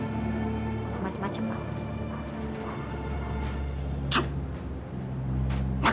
masih macem macem pak